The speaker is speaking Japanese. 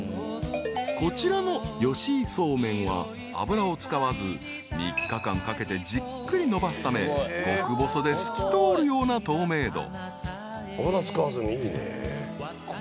［こちらの吉井素麺は油を使わず３日間かけてじっくり延ばすため極細で透き通るような透明度］